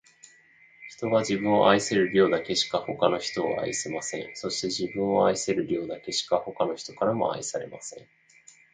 人は、自分を愛せる量だけしか、他の人を愛せません。そして、自分を愛せる量だけしか、他の人からも愛されません。